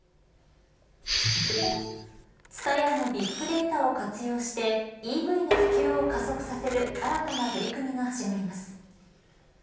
ＴＳＵＴＡＹＡのビッグデータを活用してＥＶの普及を加速させる新たな取り組みが始まります。